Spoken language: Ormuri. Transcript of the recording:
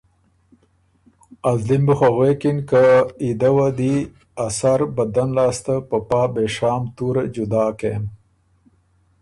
ا زلی م بُو خه غوېکِن که ای دۀ وه دی ا سر بدن لاسته په پا بېشام طُوره جدا کېم